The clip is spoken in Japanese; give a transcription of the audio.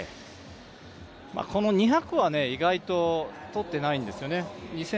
この２００はね意外ととってないんですよね